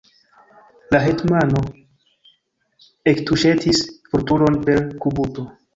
La hetmano ektuŝetis Vulturon per kubuto.